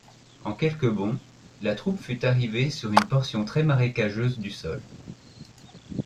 En quelques bonds, la troupe fut arrivée sur une portion très marécageuse du sol.